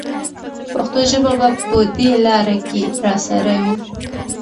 پښتو ژبه به په دې لاره کې راسره وي.